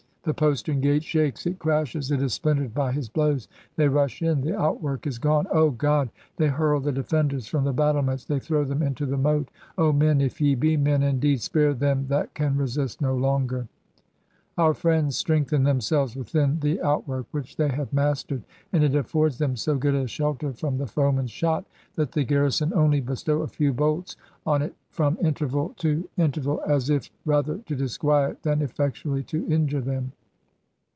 . The postern gate shakes, it crashes, it is splintered by his blows — ^they rush in — ^the outwork is gone — Oh, God! — ^they hurl the defenders from the battlements — they throw them into the moat— Oh, men, if ye be men indeed, spare them that can resist no longer I ... Our friends strengthen themselves within the out work which they have mastered ; and it affords them so good a shelter from the foeman's shot, that the garri son only bestow a few bolts on it from interval to in 94 Digitized by VjOOQIC THREE OF SCOXrS HEROINES terval, as if rather to disquiet, than efiFectually to injure them.'